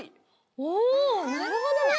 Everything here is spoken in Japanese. おなるほどね。